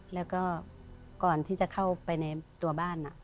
แล้วก็ก่อนที่จะเข้าไปในตัวบ้าน